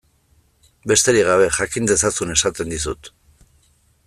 Besterik gabe, jakin dezazun esaten dizut.